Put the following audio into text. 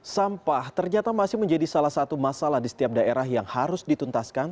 sampah ternyata masih menjadi salah satu masalah di setiap daerah yang harus dituntaskan